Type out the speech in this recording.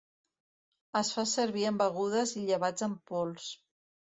Es fa servir en begudes i llevats en pols.